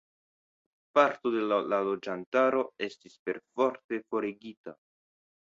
Parto de la loĝantaro estis perforte forigita.